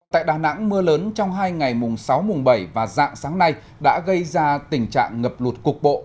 tại đà nẵng mưa lớn trong hai ngày mùng sáu mùng bảy và dạng sáng nay đã gây ra tình trạng ngập lụt cục bộ